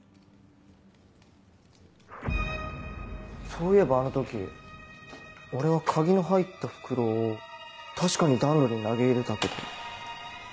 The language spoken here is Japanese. そういえばあの時俺は鍵の入った袋を確かに暖炉に投げ入れたけど。